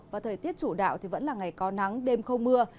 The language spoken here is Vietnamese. và thời tiết chủ đạo vẫn là ngày có nắng đêm không mưa